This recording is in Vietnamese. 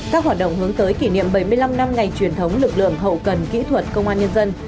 các hoạt động hướng tới kỷ niệm bảy mươi năm năm ngày truyền thống lực lượng hậu cần kỹ thuật công an nhân dân